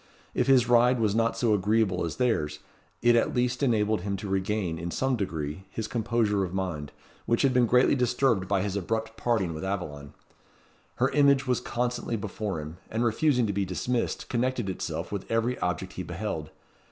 If his ride was not so agreeable as their's, it at least enabled him to regain, in some degree, his composure of mind, which had been greatly disturbed by his abrupt parting with Aveline. Her image was constantly before him, and refusing to be dismissed, connected itself with every object he beheld.